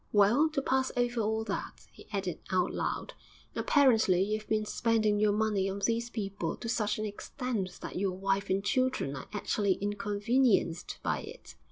'Well, to pass over all that,' he added out loud, 'apparently you've been spending your money on these people to such an extent that your wife and children are actually inconvenienced by it.'